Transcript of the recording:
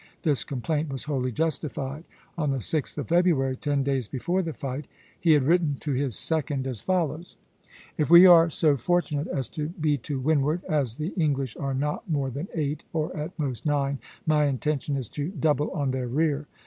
This complaint was wholly justified. On the 6th of February, ten days before the fight, he had written to his second as follows: "If we are so fortunate as to be to windward, as the English are not more than eight, or at most nine, my intention is to double on their rear.